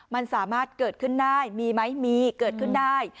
มันสามารถเกิดขึ้นได้มีไหมมีเกิดขึ้นได้